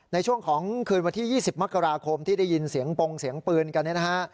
ในช่วงของคืนวันที่๒๐มกราคมที่ได้ยินเสียงปงเสียงปืนกันเนี่ยนะฮะ